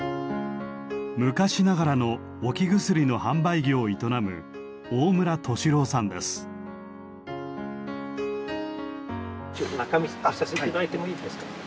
昔ながらの置き薬の販売業を営む中見させて頂いてもいいですか？